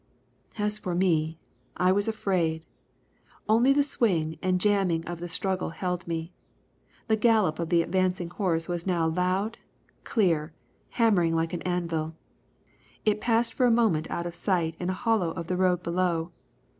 As for me, I was afraid. Only the swing and jamming of the struggle held me. The gallop of the advancing horse was now loud, clear, hammering like an anvil. It passed for a moment out of sight in a hollow of the road below.